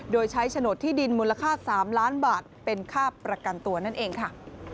โดยใช้โฉนดที่ดินมูลค่า๓ล้านบาทเป็นค่าประกันตัวนั่นเองค่ะ